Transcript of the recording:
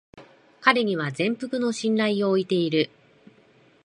彼には全幅の信頼を置いている